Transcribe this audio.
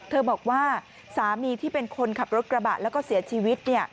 บอกว่าสามีที่เป็นคนขับรถกระบะแล้วก็เสียชีวิต